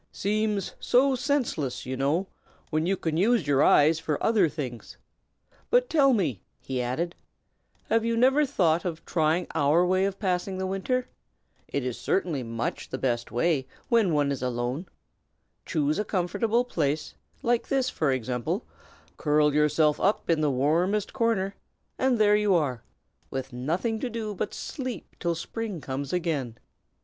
Seems so senseless, you know, when you can use your eyes for other things. But, tell me," he added, "have you never thought of trying our way of passing the winter? It is certainly much the best way, when one is alone. Choose a comfortable place, like this, for example, curl yourself up in the warmest corner, and there you are, with nothing to do but to sleep till spring comes again."